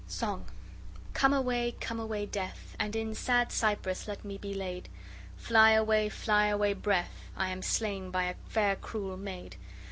SONG Come away, come away, Death, And in sad cypress let me be laid; Fly away, fly away, breath, I am slain by a fair cruel maid.